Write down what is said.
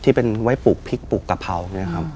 ที่เป็นไว้ปลูกพริกปลูกกะเพราเนี่ยครับ